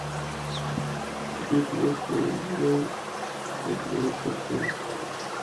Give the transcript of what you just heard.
It is not known when it was shut down.